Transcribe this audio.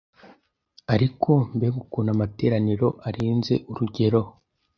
Ariko mbega ukuntu amateraniro arenze urugero